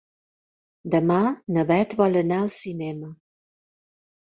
Demà na Bet vol anar al cinema.